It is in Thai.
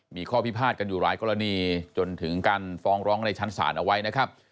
มีข้อพิพาทกันอยู่หลายกรณีจนถึงการฟ้องร้องในชั้นศาลเอาไว้นะครับ